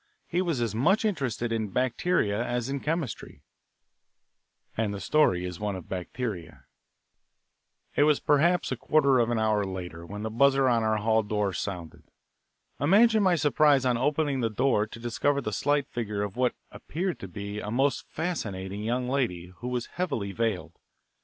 He was as much interested in bacteria as in chemistry, and the story is one of bacteria. It was perhaps a quarter of an hour later when the buzzer on our hall door sounded. Imagine my surprise on opening the door to discover the slight figure of what appeared to be a most fascinating young lady who was heavily veiled.